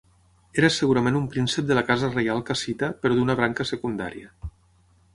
Era segurament un príncep de la casa reial cassita però d'una branca secundària.